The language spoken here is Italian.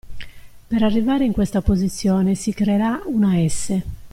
Per arrivare in questa posizione si creerà una "S".